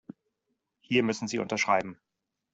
Hier müssen Sie unterschreiben.